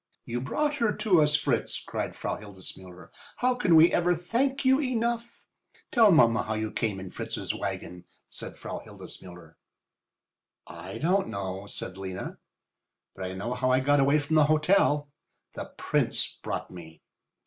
"You brought her to us, Fritz," cried Frau Hildesmuller. "How can we ever thank you enough?" "Tell mamma how you came in Fritz's wagon," said Frau Hildesmuller. "I don't know," said Lena. "But I know how I got away from the hotel. The Prince brought me."